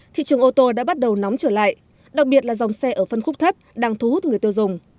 thị trường ô tô đã bắt đầu nóng trở lại đặc biệt là dòng xe ở phân khúc thấp đang thu hút người tiêu dùng